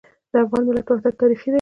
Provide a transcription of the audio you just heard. د افغان ملت وحدت تاریخي دی.